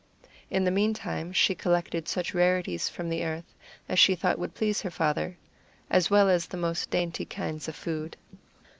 In the meantime, she collected such rarities from the earth as she thought would please her father, as well as the most dainty kinds of food.